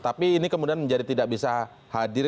tapi ini kemudian menjadi tidak bisa hadir